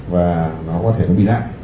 và nó có thể bị đại